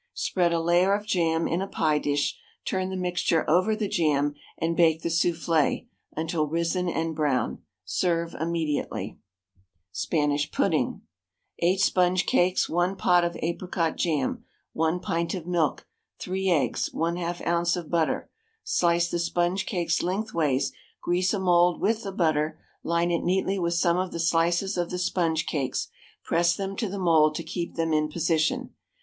Spread a layer of jam in a pie dish, turn the mixture over the jam, and bake the soufflé until risen and brown. Serve immediately. SPANISH PUDDING. 8 sponge cakes, 1 pot of apricot jam, 1 pint of milk, 3 eggs, 1/2 oz. of butter. Slice the sponge cakes lengthways, grease a mould with the butter; line it neatly with some of the slices of the sponge cakes; press them to the mould to keep them in position.